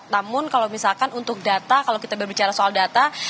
namun kalau misalkan untuk data kalau kita berbicara soal data